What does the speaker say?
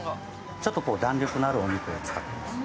ちょっと弾力のあるお肉を使ってます。